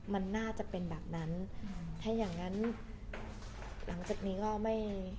มันน่าจะเป็นแบบนั้นถ้าอย่างงั้นหลังจากนี้ก็ไม่